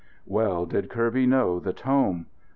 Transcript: Well did Kirby know the tome.